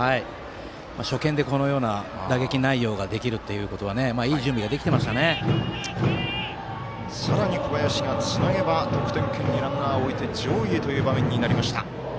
初見でこのような打撃内容ができるということはさらに小林がつなげば得点圏にランナーを置いて上位へという場面になりました。